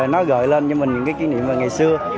nó gợi lên cho mình những cái kỷ niệm về ngày xưa